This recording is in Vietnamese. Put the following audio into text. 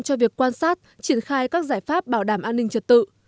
cho việc quan sát triển khai các giải pháp bảo đảm an ninh trật tự